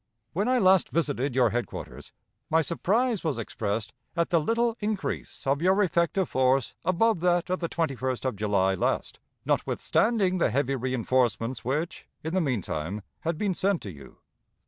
When I last visited your headquarters, my surprise was expressed at the little increase of your effective force above that of the 21st of July last, notwithstanding the heavy reënforcements which, in the mean time, had been sent to you.